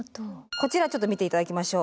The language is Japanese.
こちらちょっと見て頂きましょう。